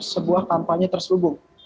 sebuah kampanye terselubung